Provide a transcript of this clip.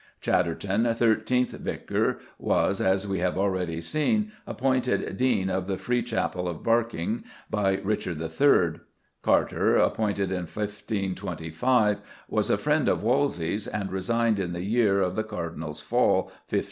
Chaderton, thirteenth vicar, was, as we have already seen, appointed dean of the "free chaple of Berkynge" by Richard III. Carter, appointed in 1525, was a friend of Wolsey's, and resigned in the year of the Cardinal's fall, 1530.